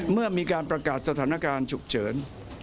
เมื่อมีการประกาศสถานการณ์ฉุกเฉิน